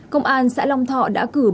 công an xã long thọ đã cử